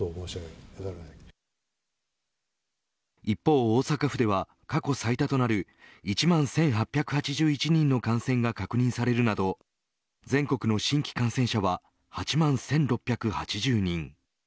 一方、大阪府では過去最多となる１万１８８１人の感染が確認されるなど全国の新規感染者は８万１６８０人。